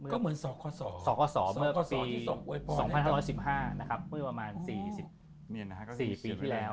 ก็เหมือนสองขวดส่อสองขวดส่อเมื่อปีสองพันห้าร้อยสิบห้านะครับเมื่อประมาณสี่สิบสี่ปีที่แล้ว